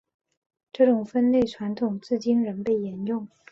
这种分类传统至今仍被沿用。